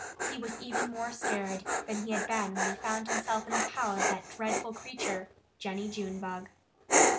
He was even more scared than he had been when he found himself in the power of that dreadful creature, Jennie Junebug.